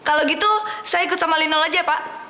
eh kalau gitu saya ikut sama linol aja pak